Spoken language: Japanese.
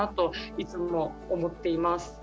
いつも思っています。